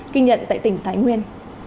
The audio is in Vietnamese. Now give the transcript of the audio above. kinh nhận tại tỉnh thái nguyên